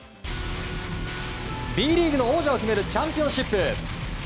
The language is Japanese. Ｂリーグの王者を決めるチャンピオンシップ。